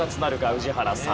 宇治原さん。